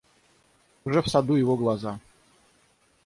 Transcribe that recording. Уже в саду его глаза.